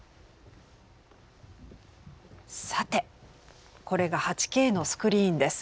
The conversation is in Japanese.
さてこれが８Ｋのスクリーンです。